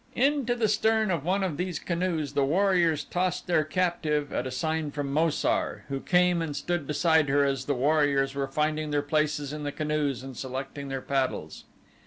Into the stern of one of these canoes the warriors tossed their captive at a sign from Mo sar, who came and stood beside her as the warriors were finding their places in the canoes and selecting their paddles.